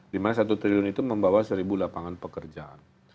dimana satu triliun itu membawa seribu lapangan pekerjaan